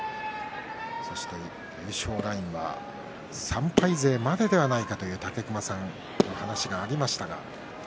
そして優勝ラインは３敗勢までではないかという武隈さんの話がありました。